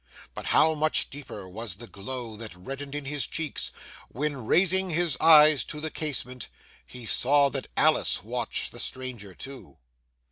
But how much deeper was the glow that reddened in his cheeks when, raising his eyes to the casement, he saw that Alice watched the stranger too!